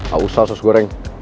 gak usah sos goreng